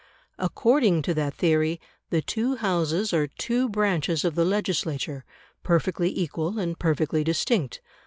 According to that theory, the two Houses are two branches of the legislature, perfectly equal and perfectly distinct.